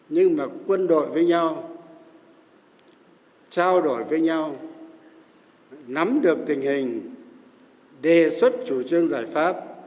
nhưng mà quân đội với nhau trao đổi với nhau nắm được tình hình đề xuất chủ trương giải pháp